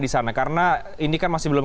di sana karena ini kan masih belum